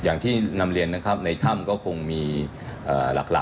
อย่างที่นำเรียนนะครับในถ้ำก็คงมีหลัก